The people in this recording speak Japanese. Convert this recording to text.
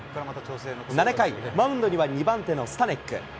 ７回、マウンドには２番手のスタニク。